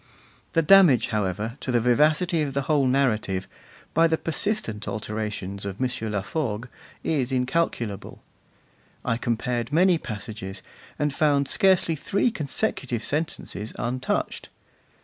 The damage, however, to the vivacity of the whole narrative, by the persistent alterations of M. Laforgue, is incalculable. I compared many passages, and found scarcely three consecutive sentences untouched.